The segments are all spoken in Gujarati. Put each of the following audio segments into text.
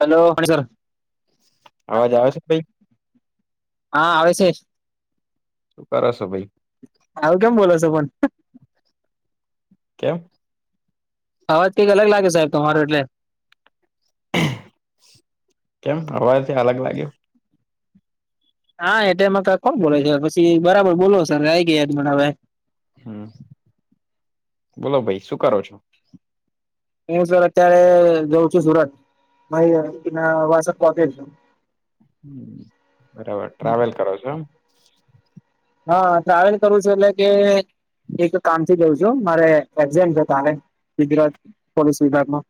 હેલો [unintelligible] સર અવાજ આવે છે હા આવે છે શું કર છો ભાઈ આવું કેમ બોલો છો પણ કેમ અવાજ કંઈક અલગ લાગે સાહેબ તમારું એટલે કેમ અવાજથી અલગ લાગ્યું હા એ તેમાં કોણ બોલે છે પછી બરાબર બોલો સર આ આવી ગયા યાજ પણ હવે હમ બોલો ભાઈ શું કરો છો. હું સર અત્યારે જઉં છું સુરત [inaudible] કોકે બરાબર ટ્રાવેલ કરો છો આમ હા ટ્રાવેલ કરું છું એટલે કે એક કામથી જઉં છું મારે એક્જ છે તારે ગુજરાત પોલીસ વિભાગમાં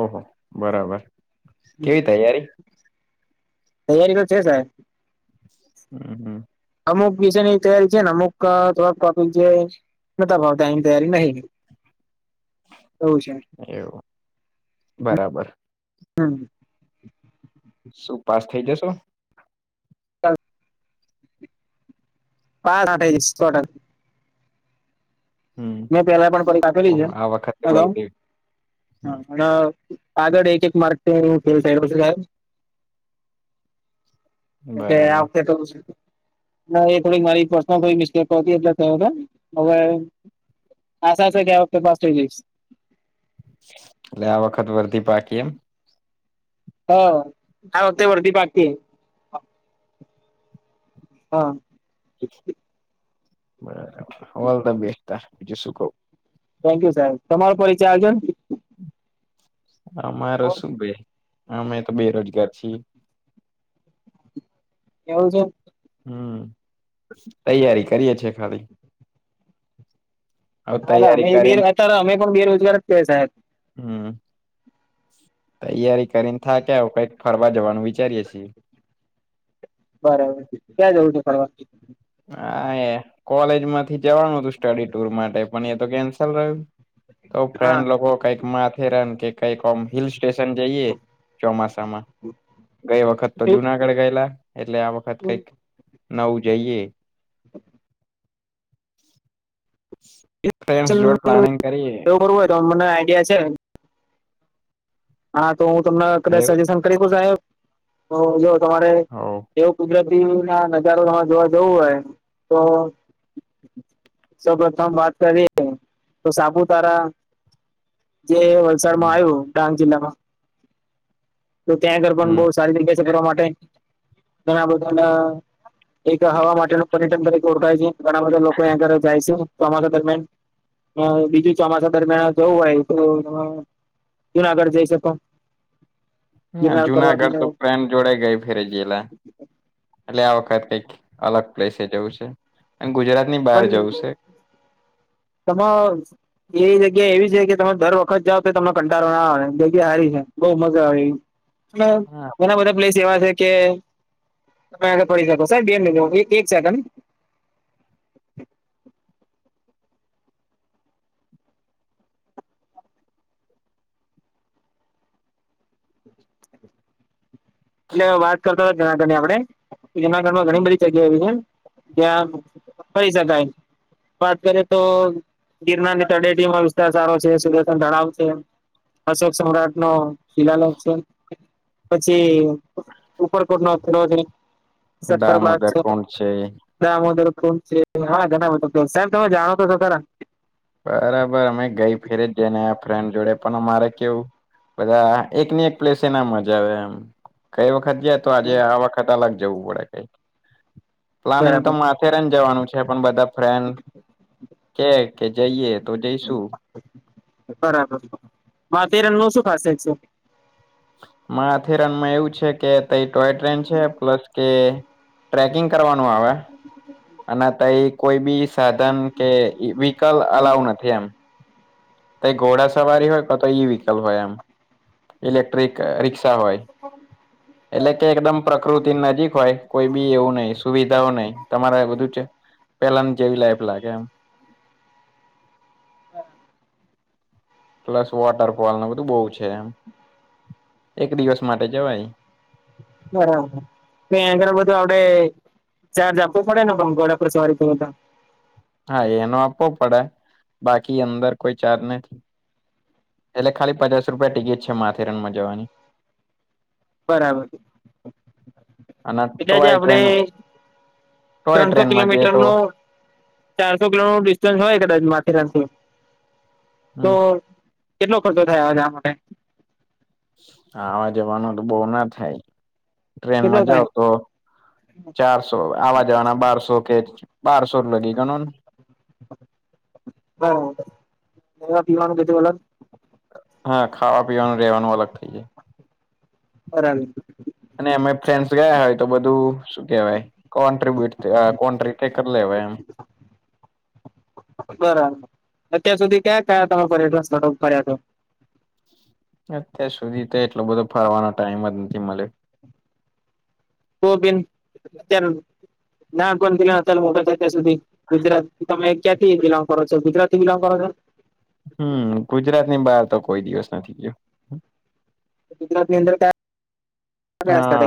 ઓહો બરાબર કેવી તૈયારી તૈયારી તો છે સાહેબ હમ હમ અમુક વિશેની તૈયારી છે ને અમુક થોડાક ટોપીક જે નતા ભાવતા એની તૈયારી નહી એવું છે એવું બરાબર [inaudible] શું પાસ થઈ જસો ચાલ [unintelligible] હમ મેં પેલા પણ પરીક્ષા આપેલી છે ઓહો આ વખતે અગાઉ વર્ધી હમ આગળ એક એક માર્ગ હું ખેલ થયો છે એ બરાબર આવ કે તો પછી ના એ થોડીક મારી પર્સનલ કો મિસ્ટેક એટલે થયો હવે આશા છે કે આ વખતે પાસ જયશ એટલે આ વખત વરદી પાકી એમ હા હા વરદી પાકી હા બરાબર ઓલ થ બેસ્ટ બીજું શું કહુ થેન્ક યુ સાહેબ તમારો પરિચય આલજો ને હ મારો શું ભાઈ અમે તો બેરોજગાર છીએ એવું છે હમ્મ તૈયારી છે કરીએ છીએ ખાલી હવે તૈયારી અમે બે કરીને અત્યારે અમે પણ બેરોજગાર જ છે સાહેબ હમ તૈયારી કરીને થયકા હવે કંઈક વા જવાનું વિચારીએ છીએ બરાબર ક્યાં જવું છે પ્રવાશે હા એ કોલેજ માંથી જવાનું હતું સ્ટડી ટુર માટે પણ એ તો કેન્સલ રહ્યું તો ફ્રેન હા લોકો કઈક માથેરાન કે કઈક હિલ સ્ટેશન જઈએ ચોમાસામાં ગઈ વખત તો એવું જુનાગઢ ગયેલા એટલે આ વખત કઈક નવું જઈએ [inaudible] [inaudible] ફ્રેન્ડ્સ જોડે પ્લાનિંગ કરીએ મા આઈડિયા છે. હા તો હું તમને કદાચ એવું સજેશન કરી શકુ સાહેબ હ જો તમારે હોવ જેવુ કુદરત ગુડ ઇવનિંગના નજારો જોવા જોવા જવું હોય તો સૌપથમ વાત કરીએ તો સાપુતારા જે વલસાડમાં હમ આવ્યું ડાંગ જીલ્લામાં તો ત્યાં ઘર પણ હમ બહુ સારી રીતે ચગડવા માટે ઘણા બધાના એક હવા માટેનું પર્યટન તરીકે ઓળખાય છે ઘણા બધા લોકો એ ઘરે જાય છે ચોમાસા દરમિયાન અ બીજું ચોમાસા દરમિયાન જવું હોય તો જુનાગઢ જઈ શકો ના ગિરનાર પર્વત જુનાગઢ તો ફ્રેન્ડ જોડે ગઈ ફેરે જયેલા એટલે આ વખત કઈ અલગ પ્લેસે જેવું છે. અને ગુજરાત ની બહાર પણ જવું છે તમા એ જ જગ્યા એવી છે કે તમે દર વખત જાવ તો તમને કંટળો ના આવે જગ્યા સારી છે બઉ મજા આવે એવી એમ તો હા ઘણા બધા પ્લેસ એવા છે કે તમે આગળ પડી શકો સાહેબ બે મિનિટ એક એક સેકન્ડ એટલે વાત કરતા જુનાગઢની આપણે જનાગઢમાં ઘણી બધી જગ્યા એવી છે જ્યાં ફરી શકાય વાત કરીએ તો ગિરનારની તટીમા વિસ્તાર સારો છે સૂર્યતન તળાવ છે અશોક સમ્રાટનો શિલાલોક છે પછી ઉપરકોટ નો કીલો છે સતરબાગ દામોદર છે કોણ છે દામોદર કોન છે હા ઘણા બધા સાહેબ તમે જાણો તો છો ખરા બરાબર અમે ગઈ ફેરે જઈને આયા ફ્રેન્ડ જોડે પણ અમારે કેવું બધા એકની એક પ્લેસ એ ના મજા આવે એમ ગઈ વખત ગીયા તો આજે આ વખત અલગ જવું પડે કઈ પ્લાનિંગ તો બરાબર માથેરેન જવાનું છે પણ બધા ફ્રેન્ડ કેય કે જઈએ તો જઈશું બરાબર તે રંગનુ શું ખાસિયત છે. માથેરાનમાં એવું છે કે એ ટોય ટ્રેન છે પ્લસ કે ટ્રેકિંગ કરવાનું નુ આવે અને તઈ કોઈ બી સાધન કે વ્હીકલ અલાવ નથી એમ ત ઘોડા સવારી હોય ક તો ય વિકલ હોય એમ ઇલેક્ટ્રિક રિકષા હોય એટલે કે એકદમ પ્રકૃતિ નજીક હોય કોઈ બી એવું નહ સુવિધા નહી તમારે બધું છે પેલાની જેવી લાઈફ લાગે એમ હા પ્લસ વોટરફોલ ન બધ ું બહુ છે એમ એક દિવસ માટે જવાય બરાબરં ઘળ બધું આપડે ચાર્જ આપવો પડેને પણ ઘોડા પર સવારી કરું તો હા એનો આપવો પડે બાકી અંદર કોઈ ચાર નથી એટલે ખાલી પચાસ રૂપિયા ટિકિટ છે માથે રનમાં જવાની. બરાબર છે અને એટલે જે ટોય આપડે ટ્રેન ટોય ત્રણસો ટ્રેનમાં જઈએ કિલોમીટર તો નું ચારસો કિલો નું ડિસ્ટન્સ હોય કદાચ મા. [unintelligible] તો હમ કેટલો ખર્ચો થાય આવા જવા માટે આવા જવાનું તો બો ના થાય. કેટલો ટ્રેનમાં થાય જાવ તો ચારસો આવા જવાના બારસો કે બારસો લગી ગનો. ખાવા પીવાનું બધું અલગ. હા ખાવા પીવાનું રેવાનું અલગ થઇ જાય. બરામ. અને અમે ફ્રેન્ડસ ગયા હોય તો બધું શું કેવાય. કોન્ટર્બયુટ કોન્ટ્ર કરી લેવાય એમ. બરાબર અત્યાર સુધી ક્યાં ક્યા તમે [unintelligible] ટ્રાન્સપોર્ટર કર્યા તા. અત્યાર સુધી તો એટલો બધો ફારવાનો ટાઈમ જ નથી મલે કો પેન અત્યારે નાં પણ અત્યારે મોબાઈલ [unintelligible] સુધી ગુજરાત તમે ક્યાંથી બિલોંગ કરો છો ગુજરાત થી બિલોંગ કરો છો. હમ ગુજરાત ની બહાર તો કોઈ દિવસ નથી ગયો. [inaudible] ગુજરાત ની અંદર તા [unintelligible]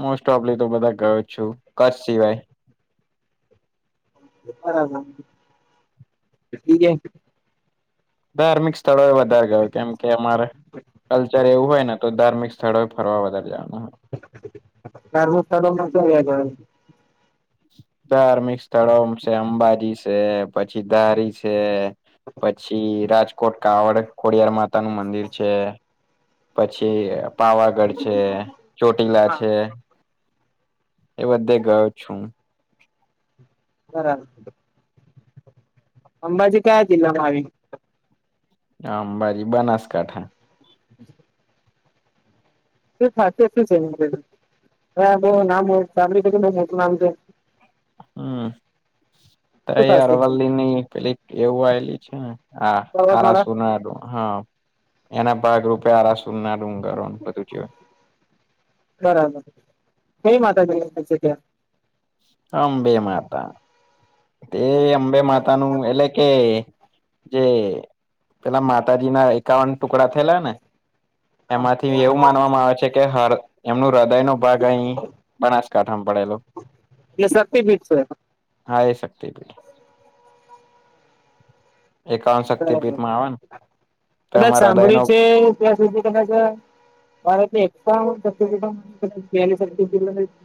મોસ ટોપલી તો બધા ગયો છું કસ શિવાય. [unintelligible] ધાર્મિક સ્થળો વધારે ગયો કેમ કે અમારે કલ્ચર એવું હોય ને તો ધાર્મિક સ્થળો ફરવા વધારે જવાનું હોય. ધાર્મિક સ્થળોમાં ક્યાં ગયા તમે ધાર્મિક સ્થળો છે અંબાજી છે પછી ધારી છે. પછી રાજ કોટ કાવડ ખોડિયાર માતા નું મંદિર છે. પછી પાવાગઢ છે ચોટીલા હા છે. એ બધે ગયો છું. બરાબ અંબાજી કયા જિલ્લામાં આવી? અંબાજી બનાસકાંઠા. શું સાચુ છે [unintelligible] નામ સાંભળ કે મોટું નામ છે. હમ. ત શું એ ખાસિયત છે અરવાલ્લી ની પેલી એવું આયલી છે ને હા આરા પર્વતમાળા સોના હતું એના ભાગરૂપે આ રાષ્ટ્ર સુલના ડુંગાર બધું જવાય બરાબર કઈ માતાજી છે ત્યાં અ બે માતા તે અંબે માતા નું એટલે કે જે પેલા માતાજી ના એકાવન ટુકડા થયેલા ને એમાંથી એવું માનવામાં આવે છે કે એમનું હૃદય નો ભાગ અહી બનાસકાંઠામાં પડેલો એટલે શક્તિપીઠ છે હા એ [unintelligible] બ શક્તિપીઠ માં આવે ને કદાચ તમારા હૃદય નો સાંભળી છે ત્યાં સુધી કદાચ મારે તે પ્લેટફોર્મ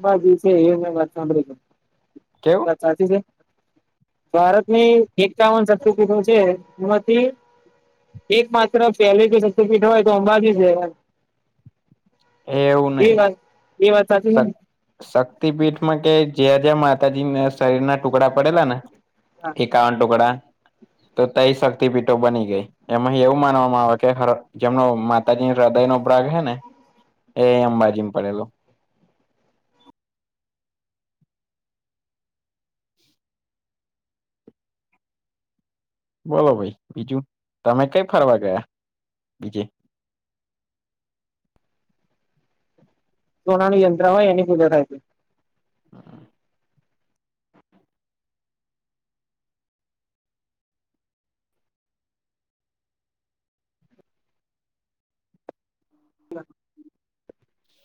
બા જ છે એ વાત સાંભળી છે કેવું વાત સાચી છે ભારતની એકાવન શક્તિપીઠુ છે એક માત્ર પહેલી સર્ટિફિટ હોય તો અંબાજી છે એ એવું નહી એ વાત સાચી છે ને શ શક્તિપીઠમાં કે જે જેમત મેં સાઇડ ના ટ ટુકડા પડેલા ને હા એ કાવન ટુકડા તો તઈ શક્તિપીઠો બની ગઈ એમાં એવું માનવામાં આવે કે જેમનો માતાજીની હૃદય નો ભ્રાગ હે ને એ અંબાજી ને પડે લોું બોલો ભાઈ બીજું તમે કઈ ફરવા ગયા બીજે સોના નું યંત્ર હોય એની પૂજા થાય છે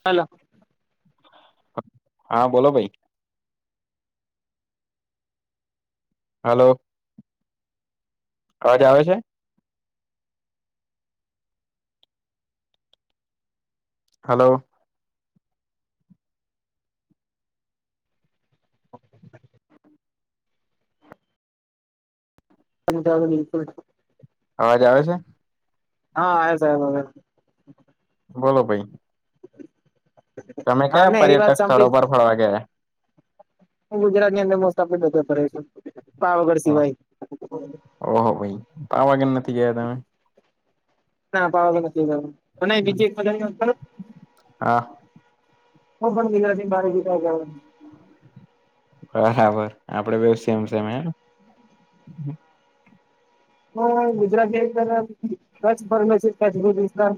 હલોો હા બોલો ભાઈ હલોો અવાજ આવે છે હલો હ બિક અવાજ આવે છે હા આ જ બોલો ભાઈ તમે હા કયા ને એ વાત પર્યટક સ્થળો પર ફરવા ગયા ગુજરાતની અંદર મસ્ત આપ હા ઓહો ભાઈ ત વાગે નથી ગયા તમે ના પાાવ નથી ના મે પ હા હું પણ બીજ મારે બી ક ગ બરાબર આપડે બે સેમ સેમ એમ હ ગુજરાતી ક ફણ છે ક જજરા.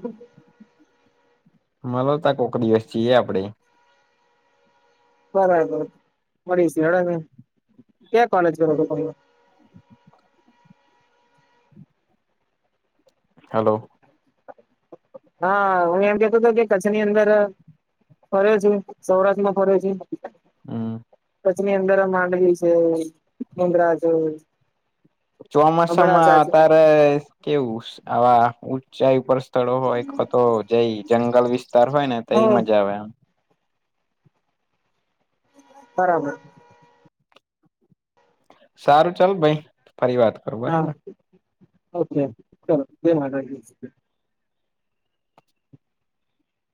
મળલો ત કોક દિવસ છીએ આપણેે. બરાબર મળીશ હડને ક્યાં કોલેજ કર હતો. હલોલો. હા હું એમ કેતોું હતો કે કચ્છની અંદર ફર્યો છું સૌરાષ્ટ્રમાં ફર્યો છું. હા. કચ્છની અંદર માંડવી છે મુદરાજ. ચોમાસામાં અતારે કેવું આવા. ઊંચાઈ ઉપર. સ્થળો હોય અવા તો જઈ જંગલ વિસ્તાર હોય ને હ તેઈ મજા આવે એમ બરાબર. સારું ચાલ ભાઈ. ફરી વાત કરું હા બરાબર. ઓકે ચાલ બે.